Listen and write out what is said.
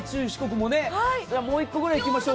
もう１個くらい、行きましょう。